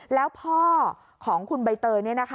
แล้วพ่อของคุณใบเตย